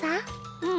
うん。